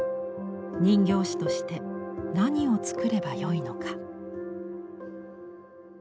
人形師として何を作ればよいのか？